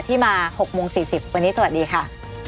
ที่มาหกโมงสี่สิบวันนี้สวัสดีค่ะ